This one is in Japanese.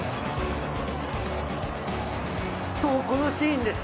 そうこのシーンですよ